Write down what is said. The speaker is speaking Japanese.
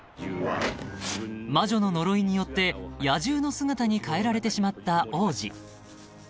［魔女の呪いによって野獣の姿に変えられてしまった王子］